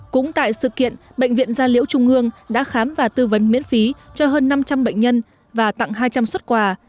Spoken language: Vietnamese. cũng tại sự kiện bệnh viện gia liễu trung ương đã khám và tư vấn miễn phí cho hơn năm trăm linh bệnh nhân và tặng hai trăm linh xuất quà